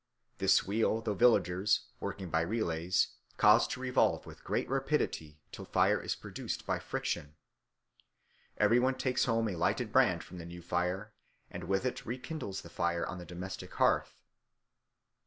This wheel the villagers, working by relays, cause to revolve with great rapidity till fire is produced by friction. Every one takes home a lighted brand from the new fire and with it rekindles the fire on the domestic hearth.